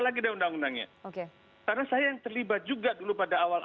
mas mokyoonpun sudah benar preocuped much